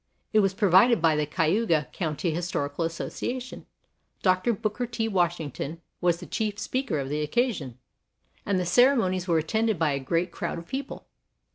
It was provided by the Cayuga County Historical Association, Dr. Booker T. Washington was the chief speaker of the occasion, and the ceremonies were attended by a great crowd of people.